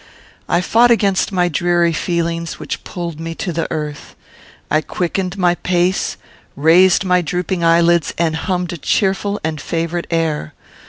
I fought against my dreary feelings, which pulled me to the earth. I quickened my pace, raised my drooping eyelids, and hummed a cheerful and favourite air.